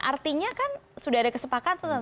artinya kan sudah ada kesepakatan